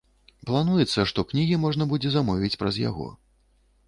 Плануецца, што кнігі можна будзе замовіць праз яго.